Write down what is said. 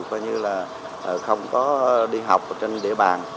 coi như là không có đi học trên địa bàn